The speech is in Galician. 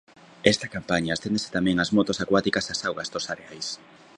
Esta campaña esténdese tamén ás motos acuáticas e ás augas dos areais.